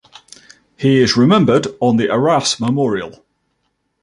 He is remembered on the Arras Memorial.